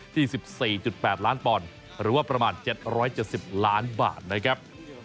ที่๑๔๘ล้านปอนด์หรือว่าประมาณ๗๗๐ล้านบาทนะครับ